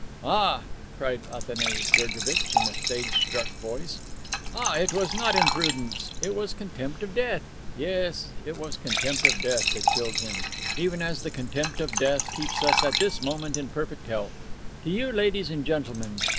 "Ah," cried Athanase Georgevitch, in a stage struck voice, "Ah, it was not imprudence! It was contempt of death! Yes, it was contempt of death that killed him! Even as the contempt of death keeps us, at this moment, in perfect health. To you, ladies and gentlemen!